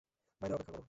বাইরে অপেক্ষা করো।